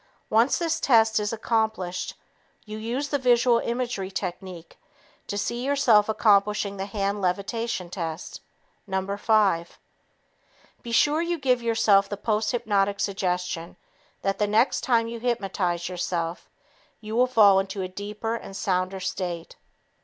Once this test is accomplished, you use the visual imagery technique to see yourself accomplishing the hand levitation test No. 5. Be sure you give yourself the posthypnotic suggestion that the next time you hypnotize yourself, you will fall into a deeper and sounder state.